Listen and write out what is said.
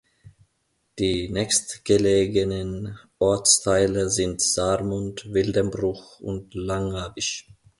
Die nächstgelegenen Ortsteile sind Saarmund, Wildenbruch und Langerwisch.